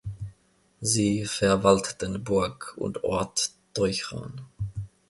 Sie verwalteten Burg und Ort Teuchern.